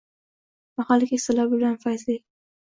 Mahalla keksalar bilan fayzli